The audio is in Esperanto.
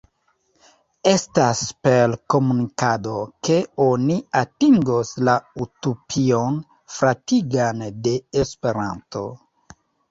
Estas per komunikado, ke oni atingos la utopion fratigan de Esperanto.